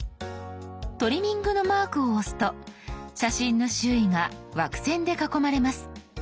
トリミングのマークを押すと写真の周囲が枠線で囲まれます。